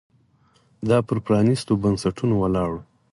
دا پر پرانېستو بنسټونو ولاړ و